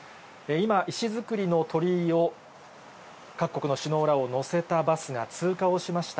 今、石造りの鳥居を、各国の首脳らを乗せたバスが通過をしました。